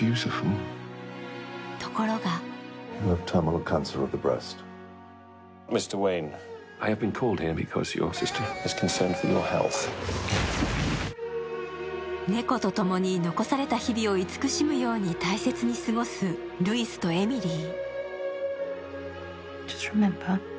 ところが猫とともに残された日々を慈しむように大切に過ごすルイスとエミリー。